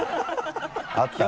あったね。